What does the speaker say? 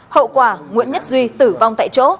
hậu quả nguyễn nhất duy tử vong tại chỗ